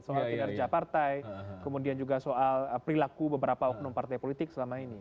soal kinerja partai kemudian juga soal perilaku beberapa oknum partai politik selama ini